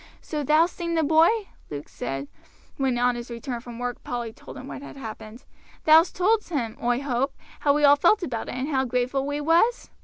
"So thou'st seen the boy?" Luke said, when on his return from work Polly told him what had happened. "Thou told's him, oi hope, how we all felt about it, and how grateful we was?"